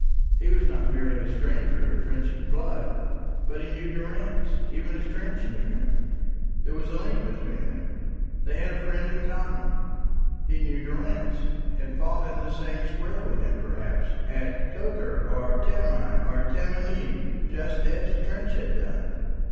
He was not merely a stranger of Trench's blood, but he knew Durrance even as Trench knew him. There was a link between them, they had a friend in common. He knew Durrance, had fought in the same square with him, perhaps, at Tokar, or Tamai, or Tamanieb, just as Trench had done!